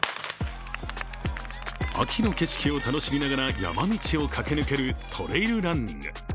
秋の景色を楽しみながら山道を駆け抜けるトレイルランニング。